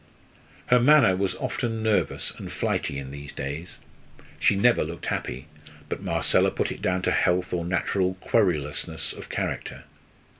Her manner was often nervous and flighty in these days. She never looked happy; but Marcella put it down to health or natural querulousness of character.